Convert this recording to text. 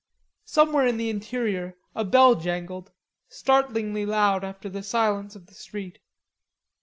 Somewhere in the interior a bell jangled, startlingly loud after the silence of the street.